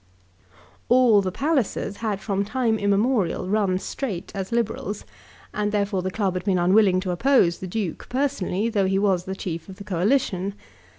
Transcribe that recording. All the Pallisers had, from time immemorial, run straight as Liberals, and therefore the club had been unwilling to oppose the Duke personally, though he was the chief of the Coalition.